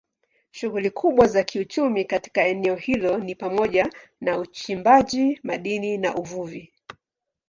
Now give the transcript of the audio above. Shughuli kubwa za kiuchumi katika eneo hilo ni pamoja na uchimbaji madini na uvuvi.